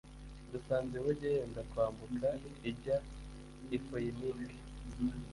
Dusanze inkuge yenda kwambuka ijya i Foyinike